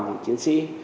những chiến sĩ